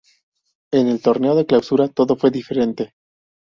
En el Torneo de Clausura todo fue diferente.